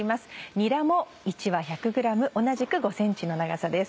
にらも１わ１００ｇ同じく５ｃｍの長さです。